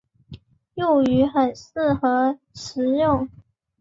幼鱼很适合食用。